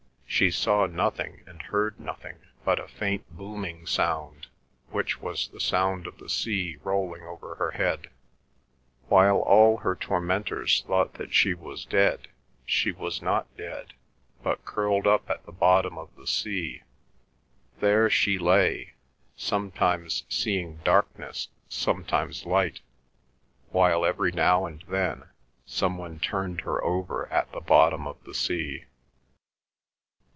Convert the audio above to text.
She saw nothing and heard nothing but a faint booming sound, which was the sound of the sea rolling over her head. While all her tormentors thought that she was dead, she was not dead, but curled up at the bottom of the sea. There she lay, sometimes seeing darkness, sometimes light, while every now and then some one turned her over at the bottom of the sea.